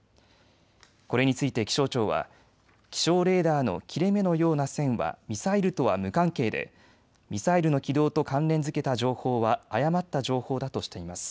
これについて気象庁は気象レーダーの切れ目のような線はミサイルとは無関係でミサイルの軌道と関連づけた情報は誤った情報だとしています。